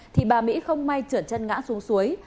thì bà mỹ không may trượt chân ngã xuống suối